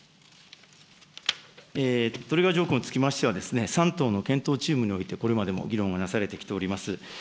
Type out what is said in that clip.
トリガー条項につきましては、３党の検討チームにおいて、これまでも議論がなされてきております。